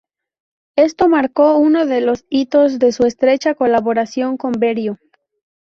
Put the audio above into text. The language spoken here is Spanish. Esto marcó uno de los hitos de su estrecha colaboración con Berio.